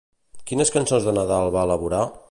Quines cançons de Nadal va elaborar?